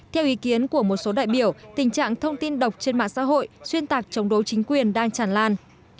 theo ý kiến của một số đại biểu tình trạng thông tin độc trên mạng xã hội xuyên tạc chống đấu chính quyền đang tràn lan